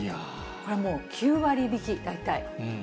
これはもう９割引き、大体。